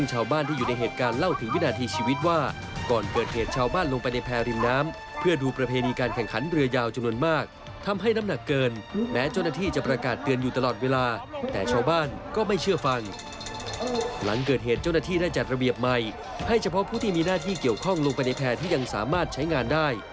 หลังเกิดเหตุเจ้าหน้าที่ได้จัดระเบียบใหม่ให้เฉพาะผู้ที่มีหน้าที่เกี่ยวข้องลงไปในแพร่ที่ยังสามารถใช้งานได้